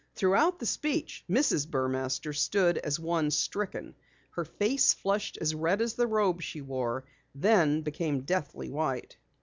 Throughout the speech Mrs. Burmaster stood as one stricken. Her face flushed as red as the robe she wore, then became deathly white.